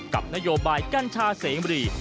กับนโยบายกัญชาเสมรี